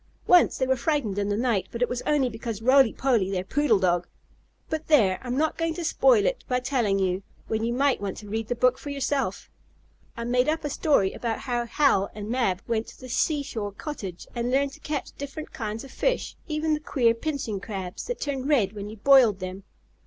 Once they were frightened in the night, but it was only because Roly Poly, their poodle dog But there, I'm not going to spoil it by telling you, when you might want to read the book for yourself. In the second volume, called "Daddy Takes Us Fishing," I made up a story about how Hal and Mab went to the seashore cottage, and learned to catch different kinds of fish; even the queer, pinching crabs, that turned red when you boiled them.